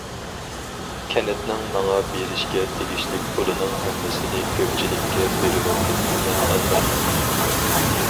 كەنتنىڭ ماڭا بېرىشكە تېگىشلىك پۇلىنىڭ ھەممىسىنى كۆپچىلىككە بېرىۋەتتىم، مەن ئالمايمەن.